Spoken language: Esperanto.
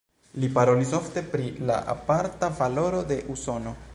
Li parolis ofte pri la aparta valoro de Usono.